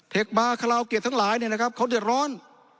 เทคบาร์คาลาวเกียรติทั้งหลายเนี่ยนะครับเขาเด็ดร้อน